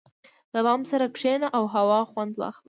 • د بام پر سر کښېنه او هوا خوند واخله.